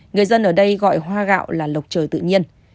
người dân ở đây gọi hoa gạo là lộc trời tự nhiên